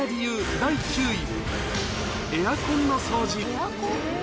第９位、エアコンの掃除。